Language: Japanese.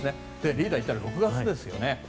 リーダー言ったら６月ですよね。